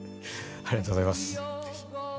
ありがとうございますぜひ。